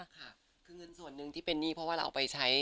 ค่ะคือเงินส่วนหนึ่งที่เป็นหนี้เพราะว่าเราเอาไปใช้